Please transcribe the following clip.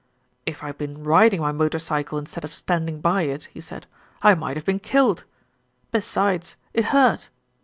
"If I had been riding my motor cycle instead of standing by it," he said, "I might have been killed. Be sides, it hurt.